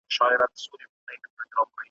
له نارنج ګل له سنځل ګل څخه راغلي عطر `